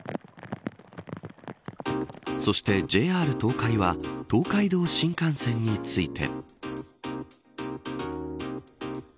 そして、ＪＲ東海は東海道新幹線について。